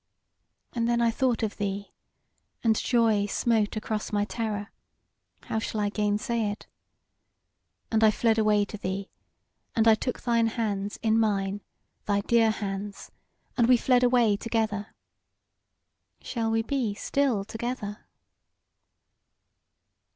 And then I thought of thee, and joy smote across my terror; how shall I gainsay it? And I fled away to thee, and I took thine hands in mine, thy dear hands, and we fled away together. Shall we be still together?"